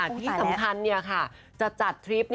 ที่สำคัญเนี่ยค่ะจะจัดทริป